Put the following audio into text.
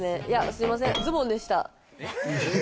すいません、ズボンでした。